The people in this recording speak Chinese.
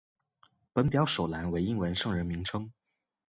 本表首栏为英文圣人名称。